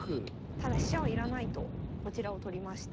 ただ飛車は要らないとこちらを取りました。